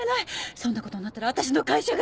そんな事になったら私の会社が。